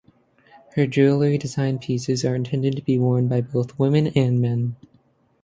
Her jewellery design pieces are intended to be worn by both women and men.